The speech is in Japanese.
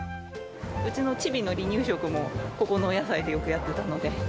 うちのちびの離乳食も、ここのお野菜でよくやってたので。